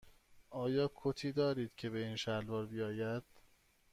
آیا کتی دارید که به این شلوار بیاید؟